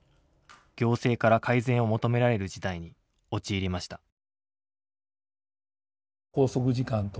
行政から改善を求められる事態に陥りました。